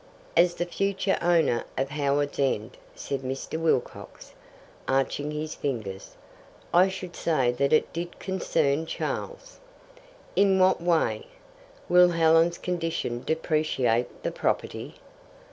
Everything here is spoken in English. "As the future owner of Howards End," said Mr. Wilcox, arching his fingers, "I should say that it did concern Charles." "In what way? Will Helen's condition depreciate the property?"